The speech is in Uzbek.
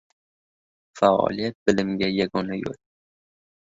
Faoliyat – bilimga yagona yo‘l.